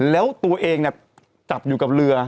แล้วตัวเองเนี่ยจับอยู่กับเรือ